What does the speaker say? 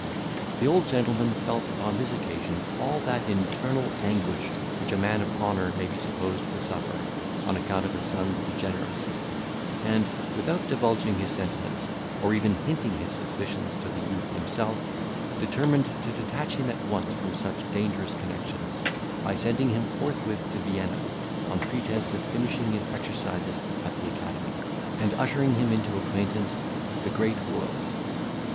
The old gentleman felt upon this occasion all that internal anguish which a man of honour may be supposed to suffer, on account of a son's degeneracy; and, without divulging his sentiments, or even hinting his suspicions to the youth himself, determined to detach him at once from such dangerous connexions, by sending him forthwith to Vienna, on pretence of finishing his exercises at the academy, and ushering him into acquaintance with the great world.